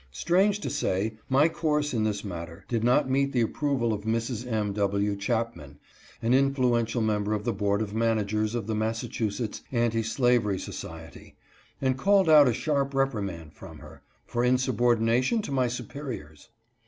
Strange to say, my course in this matter did not meet the approval of Mrs. M. W. Chapman, an influential mem ber of the board of managers of the Massachusetts Anti Slavery Society, and called out a sharp reprimand from her, for insubordination to my superiors.